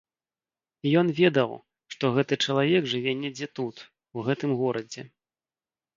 Ён ведаў, што гэты чалавек жыве недзе тут, у гэтым горадзе.